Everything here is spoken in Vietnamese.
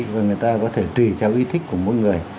và người ta có thể tùy theo ý thích của mỗi người